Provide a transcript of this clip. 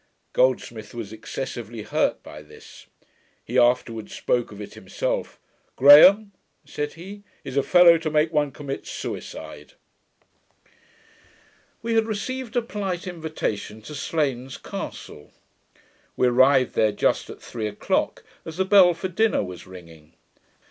Goldsmith was excessively hurt by this. He afterwards spoke of it himself. 'Graham,' said he, 'is a fellow to make one commit suicide.' We had received a polite invitation to Slains castle. We arrived there just at three o'clock, as the bell for dinner was ringing.